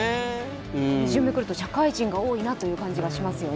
２巡目くると社会人多いなという感じがしますね。